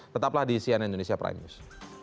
tetaplah di cnn indonesia prime news